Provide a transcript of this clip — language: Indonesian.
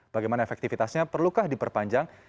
bagaimana efektivitasnya perlukah diperpanjang